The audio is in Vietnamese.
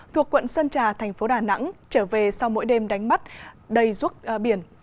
thuộc quận sơn trà thành phố đà nẵng trở về sau mỗi đêm đánh bắt đầy ruốc biển